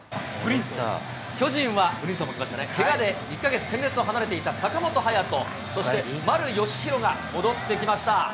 巨人はけがで１か月戦列を離れていた坂本勇人、そして、丸佳浩が戻ってきました。